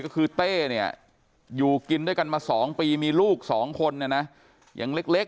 ก็คือเต้เนี่ยอยู่กินด้วยกันมา๒ปีมีลูก๒คนยังเล็ก